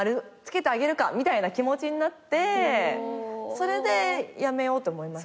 それで辞めようって思いました。